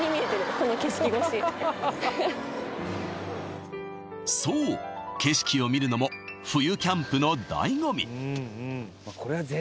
この景色越しそう景色を見るのも冬キャンプの醍醐味